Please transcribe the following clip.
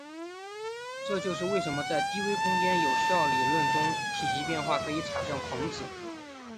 这就是为什么在低维空间有效理论中体积变化可以产生胀子。